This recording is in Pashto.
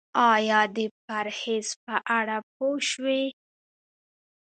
ایا د پرهیز په اړه پوه شوئ؟